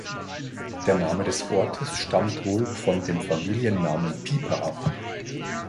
Der Name des Ortes stammt wohl von dem Familiennamen Pieper ab.